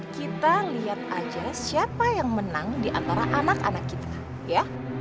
kita lihat aja siapa yang menang di antara anak anak kita ya